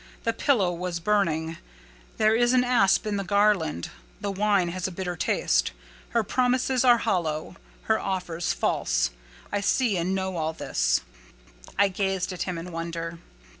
The pillow was burning: there is an asp in the garland: the wine has a bitter taste: her promises are hollow—her offers false: I see and know all this." I gazed at him in wonder.